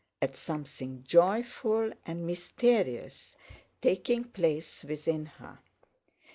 at something joyful and mysterious taking place within her.